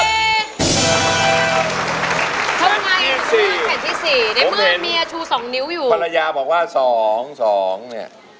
บวนหัวนิดก็คิดอยากแต่งงาน